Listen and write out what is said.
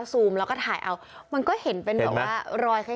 ซูมแล้วก็ถ่ายเอามันก็เห็นเป็นแบบว่ารอยคล้าย